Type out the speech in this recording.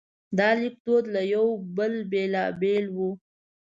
دا لیکدودونه له یو بل بېلابېل وو.